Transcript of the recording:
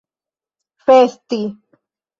festi